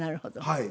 はい。